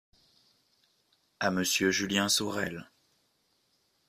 à Monsieur Julien Sorel.